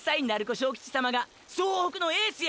章吉様が総北のエースや！！